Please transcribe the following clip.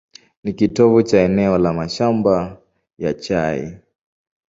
Ni kitovu cha eneo la mashamba ya chai.